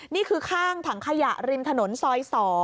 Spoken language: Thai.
นี่คือข้างถังขยะริมถนนซอย๒